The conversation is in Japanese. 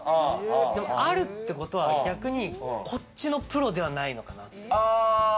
あるってことは逆にこっちのプロではないのかなって。